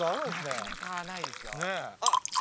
なかなかないですよ。